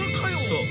◆そう。